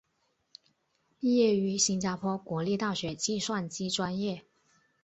毕业于新加坡国立大学计算机专业。